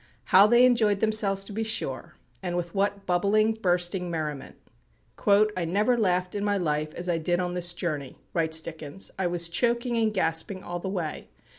How they enjoyed themselves to be sure, and with what bubbling, bursting merriment. "I never laughed in my life as I did on this journey," writes Dickens, "... I was choking and gasping ... all the way.